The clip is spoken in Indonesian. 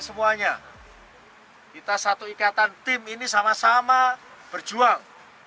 semuanya kita satu ikatan tim ini sama sama berjuang